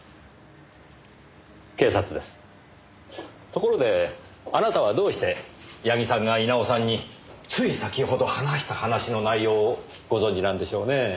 ところであなたはどうして矢木さんが稲尾さんについ先ほど話した話の内容をご存じなんでしょうねえ？